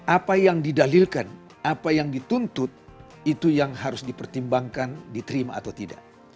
apa yang didalilkan apa yang dituntut itu yang harus dipertimbangkan diterima atau tidak